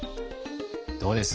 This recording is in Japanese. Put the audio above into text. どうです？